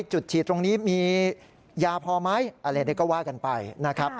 จุดฉีดตรงนี้มียาพอไหมอะไรก็ว่ากันไปนะครับ